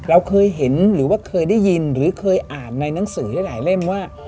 เราเคยเห็นหรือว่าเคยได้ยินหรือเคยอ่านในหนังสือหลายเล่มว่า